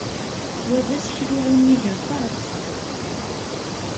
Wa d aseklu unnig aṭas.